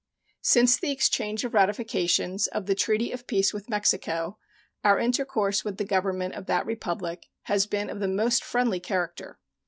Since the exchange of ratifications of the treaty of peace with Mexico our intercourse with the Government of that Republic has been of the most friendly character.